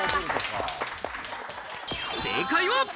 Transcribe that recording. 正解は。